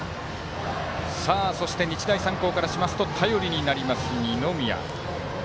そして日大三高からしますと頼りになります、二宮。